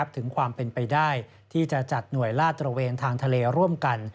ถึงความเป็นไปได้ที่จะจัดหน่วยลาดตระเวนทางทะเลร่วมกัน